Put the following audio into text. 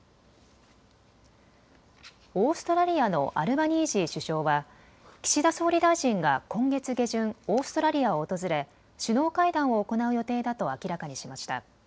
オーストラリアのアルバニージー首相は岸田総理大臣が今月下旬、オーストラリアを訪れ首脳会談を行う予定だと明らかにしました。